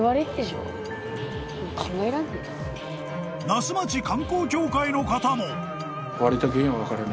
［那須町観光協会の方も］